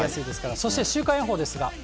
そして週間予報ですが。